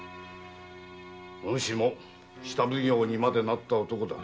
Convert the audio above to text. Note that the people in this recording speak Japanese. お主も下奉行にまでなった男だ。